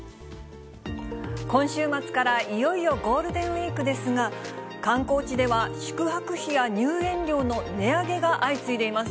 今週末からいよいよゴールデンウィークですが、観光地では宿泊費や入園料の値上げが相次いでいます。